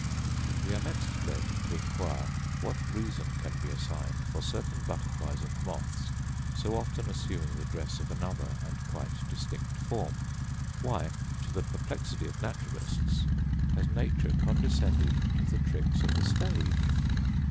We are next led to enquire what reason can be assigned for certain butterflies and moths so often assuming the dress of another and quite distinct form; why, to the perplexity of naturalists, has nature condescended to the tricks of the stage?